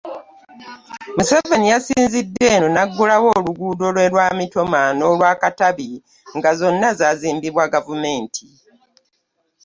Museveni yasinzidde eno n’aggulawo oluguudo lwa Mitooma n’olwa Katabi nga zonna zaazimbiddwa gavumenti.